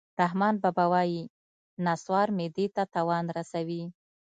رحمان بابا وایي: نصوار معدې ته تاوان رسوي